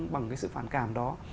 bằng cái sự phản cảm đó